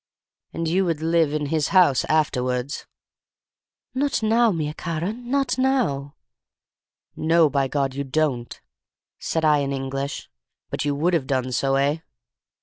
"'And you would live in his house afterwards?' "'Not now, mia cara—not now!' "'No, by God you don't!' said I in English. 'But you would have done so, eh?